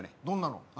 どんなの？